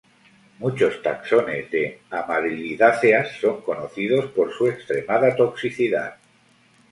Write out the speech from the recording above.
Muchos taxones de Amarilidáceas son conocidos por su extremada toxicidad.